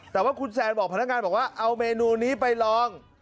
แต่ว่าคุณแซนบอกพนักงานบอกว่าเอาเมนูนี้ไปลอง